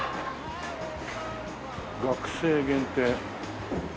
「学生限定」